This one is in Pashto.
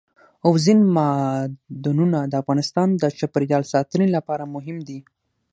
اوبزین معدنونه د افغانستان د چاپیریال ساتنې لپاره مهم دي.